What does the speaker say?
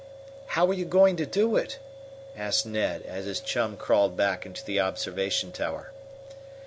"How are you going to do it?" asked Ned, as his chum crawled back into the observation tower.